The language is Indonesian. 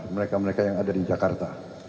mereka mereka yang ada di jakarta